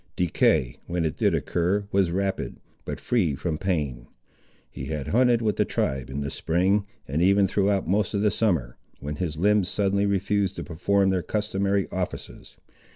Decay, when it did occur, was rapid, but free from pain. He had hunted with the tribe in the spring, and even throughout most of the summer, when his limbs suddenly refused to perform their customary offices.